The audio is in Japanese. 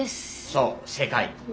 そう正解。